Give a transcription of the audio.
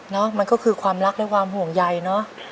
มันก็คือความรักและความห่วงใยเนอะ